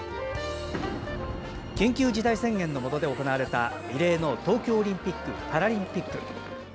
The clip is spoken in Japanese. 緊急事態宣言のもとで行われた異例の東京オリンピック・パラリンピック。